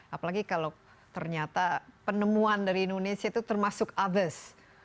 apalagi kalau ternyata penemuan dari indonesia itu termasuk others